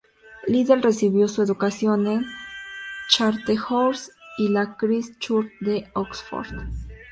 Liddell recibió su educación en Charterhouse y la Christ Church de Oxford.